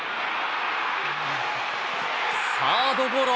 サードゴロ。